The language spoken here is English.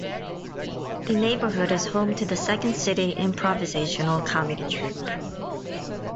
The neighborhood is home to The Second City improvisational comedy troupe.